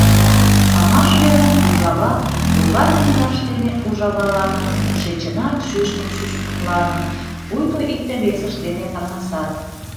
Памаш велым ужава логарвундаш дене ужавалана, тушечынак шӱшпык шӱшпыклана, пуйто икте-весышт дене таҥасат.